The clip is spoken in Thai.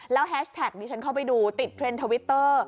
แล้วแฮชแท็กดิฉันเข้าไปดูติดเทรนด์ทวิตเตอร์